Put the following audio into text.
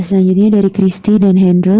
selanjutnya dari christie dan hendro